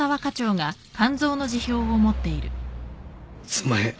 すんまへん。